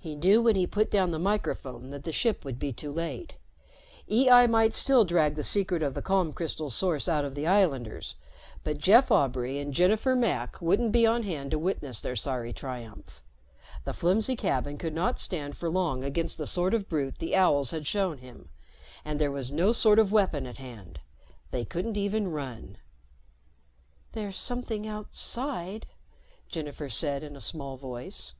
He knew when he put down the microphone that the ship would be too late. EI might still drag the secret of the calm crystal source out of the islanders, but Jeff Aubray and Jennifer Mack wouldn't be on hand to witness their sorry triumph. The flimsy cabin could not stand for long against the sort of brute the owls had shown him, and there was no sort of weapon at hand. They couldn't even run. "There's something outside," Jennifer said in a small voice.